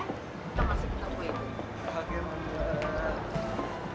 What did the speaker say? kita masih belum puas